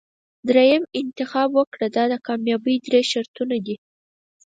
دریم انتخاب وکړه دا د کامیابۍ درې شرطونه دي.